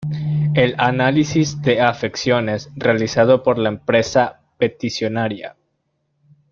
el análisis de afecciones realizado por la empresa peticionaria